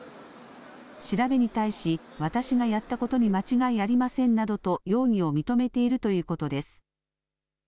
調べに対し、私がやったことに間違いありませんなどと容疑を認めているということです。